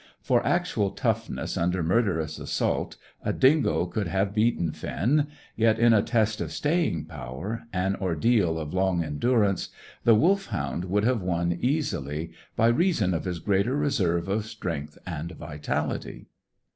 For actual toughness under murderous assault a dingo could have beaten Finn; yet in a test of staying power, an ordeal of long endurance, the Wolfhound would have won easily, by reason of his greater reserve of strength and vitality.